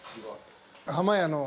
濱家あの。